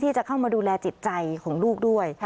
จะเข้ามาดูแลจิตใจของลูกด้วย